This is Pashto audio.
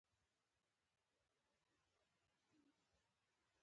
هر پیرودونکی یو درس درکوي.